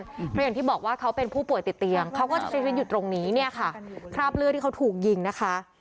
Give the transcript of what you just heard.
เพราะอย่างที่บอกว่าเขาเป็นผู้ป่วยติดเตียงเขาก็จะชีวิตอยู่ตรงนี้เนี่ยค่ะคราบเลือดที่เขาถูกยิงนะคะ